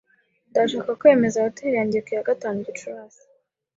Ndashaka kwemeza hoteri yanjye ku ya gatanu Gicurasi.